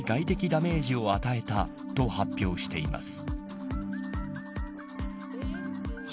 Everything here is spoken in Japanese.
ダメージを与えたと発表しています